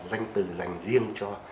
danh từ dành riêng cho